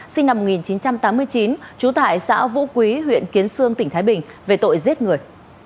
sinh năm một nghìn chín trăm tám mươi chín trú tại xã vũ quý huyện kiến sương tỉnh thái bình về tội giết người